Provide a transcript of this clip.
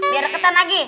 biar reketan lagi